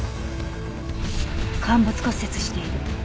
陥没骨折している。